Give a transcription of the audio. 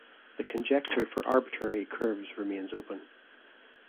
The conjecture for "arbitrary" curves remains open.